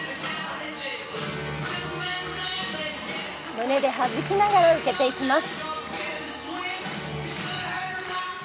胸ではじきながら受けていきます。